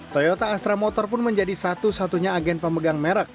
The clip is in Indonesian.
toyota astra motor pun menjadi satu satunya agen pemegang merek